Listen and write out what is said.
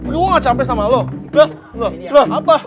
lu gak capek sama lo udah udah udah apa